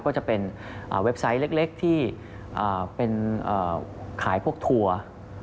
ก็จะเป็นเว็บไซต์เล็กที่เป็นขายพวกทัวร์